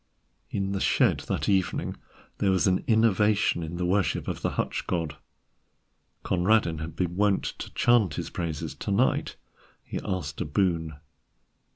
In the shed that evening there was an innovation in the worship of the hutch god. Conradin had been wont to chant his praises, to night he asked a boon.